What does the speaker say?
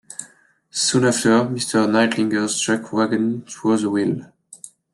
Soon after, Mr. Nightlinger's chuck wagon throws a wheel.